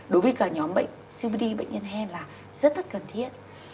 đối với cả nhóm cpt bệnh nhân hen là rất rất cần thiết